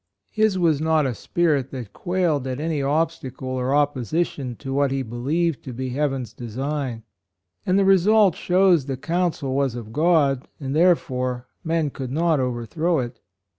His was not a spirit that quailed at any obstacle or op position to what he believed to be heaven's design, and the result shows "the counsel was of God," and, therefore, men could not over throw it.